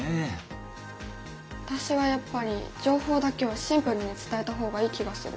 私はやっぱり情報だけをシンプルに伝えた方がいい気がする。